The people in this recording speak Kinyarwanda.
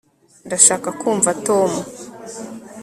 ndashaka kumva tom